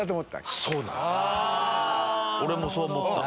俺もそう思った。